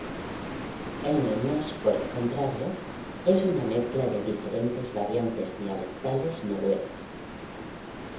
El "nynorsk", por el contrario, es una mezcla de diferentes variantes dialectales noruegas.